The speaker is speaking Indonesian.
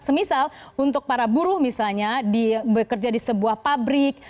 semisal untuk para buruh misalnya bekerja di sebuah pabrik